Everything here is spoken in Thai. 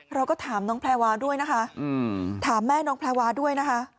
เราก็ถามแม่น้องแพรวาด้วยนะค่ะ